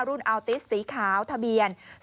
รุ่นอาวติสสีขาวทะเบียน๒